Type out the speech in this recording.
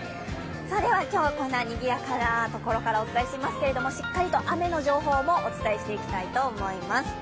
では今日、こんなにぎやかなところからお伝えしてますけれどもしっかりと雨の情報もお伝えしていきたいと思います。